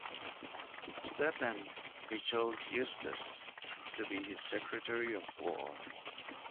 To that end he chose Eustis to be his Secretary of War.